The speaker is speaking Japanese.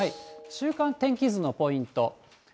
週間天気図のポイント。